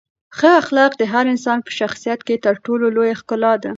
ښه اخلاق د هر انسان په شخصیت کې تر ټولو لویه ښکلا ده.